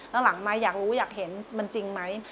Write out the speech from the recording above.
แล้วหลังมาอยากรู้อยากเห็นมันจริงไหม